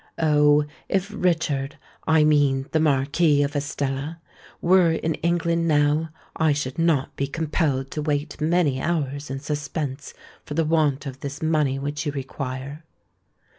Oh! if Richard—I mean, the Marquis of Estella—were in England now, I should not be compelled to wait many hours in suspense for the want of this money which you require."